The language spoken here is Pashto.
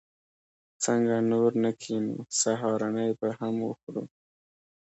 څنګه نور نه کېنو؟ سهارنۍ به هم وخورو.